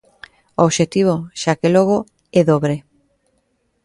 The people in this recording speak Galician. O obxectivo, xa que logo, "é dobre".